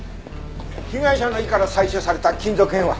被害者の胃から採取された金属片は？